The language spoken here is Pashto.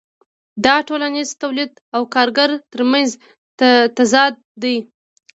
دا د ټولنیز تولید او کارګر ترمنځ تضاد دی